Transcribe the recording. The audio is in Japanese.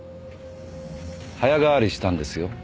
早変わりしたんですよ